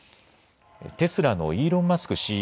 テスラのイーロン・マスク